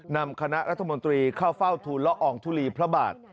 นำคณะรัฐมนตรีเข้าเฝ้าทุนละอองทุลีพระบาท